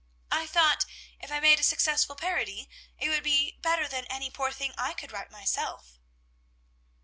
I thought if I made a successful parody, it would be better than any poor thing I could write myself."